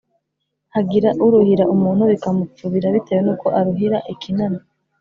hagira uruhira umuntu bikamupfubira bitewe n'uko aruhira ikinani